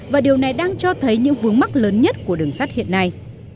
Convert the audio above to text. và điều này đang cho thấy những vướng mắt lớn nhất của đường sắt hiện nay